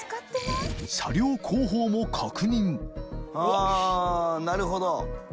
あっなるほど。